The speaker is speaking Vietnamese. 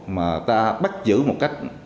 mà ta bắt giữ một cách